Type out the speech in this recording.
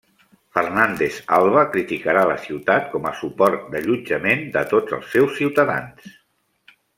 Fernández Alba criticarà la ciutat com a suport d'allotjament de tots els seus ciutadans.